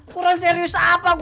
kurang serius apa